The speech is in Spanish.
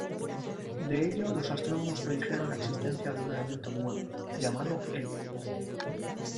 De ello, los astrónomos predijeron la existencia de un elemento nuevo, llamado helio.